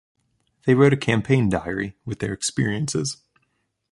They wrote a campaign diary with their experiences.